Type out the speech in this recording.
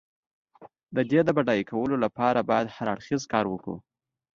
د دې د بډای کولو لپاره باید هر اړخیزې هلې ځلې وکړو.